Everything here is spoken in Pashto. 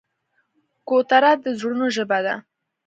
کوتره د زړونو ژبه ده.